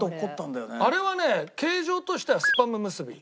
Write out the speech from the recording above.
あれはね形状としてはスパムむすび。